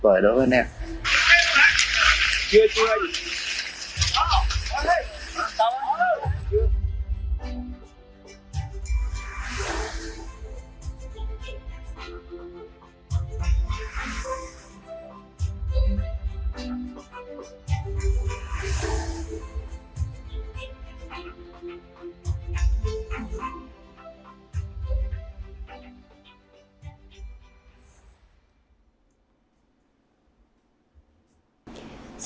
vời đó anh em chưa chưa ạ ừ ừ ừ ừ ừ ừ ừ ừ ừ ừ ừ ừ ừ ừ